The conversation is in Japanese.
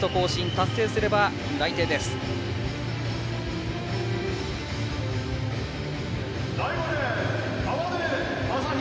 達成すれば内定です、松井。